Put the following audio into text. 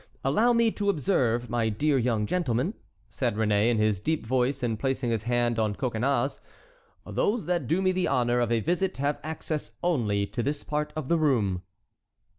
"Allow me to observe, my dear young gentleman," said Réné, in his deep voice, and placing his hand on Coconnas's, "those that do me the honor of a visit have access only to this part of the room."